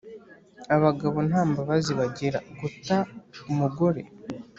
Abagabo ntambabazi bagira guta umugore